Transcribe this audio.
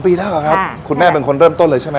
ปีแล้วครับคุณแม่เป็นคนเริ่มต้นเลยใช่ไหม